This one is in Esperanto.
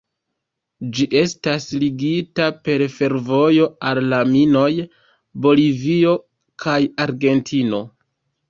Ĝi estas ligita per fervojo al la minoj, Bolivio kaj Argentino.